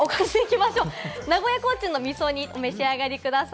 名古屋コーチンの味噌煮もお召し上がりください。